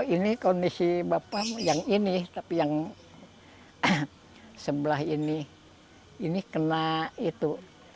ini kondisi bapak yang ini tapi yang sebelah ini ini kena itu